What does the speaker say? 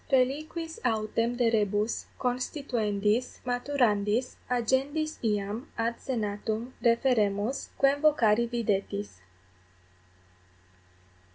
Reliquis autem de rebus constituendis, maturandis, agendis iam ad senatum referemus, quem vocari videtis.